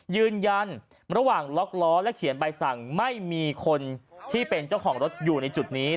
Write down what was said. ยืนยันระหว่างล็อกล้อและเขียนใบสั่งไม่มีคนที่เป็นเจ้าของรถอยู่ในจุดนี้